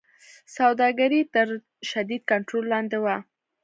سوداګري تر شدید کنټرول لاندې وه.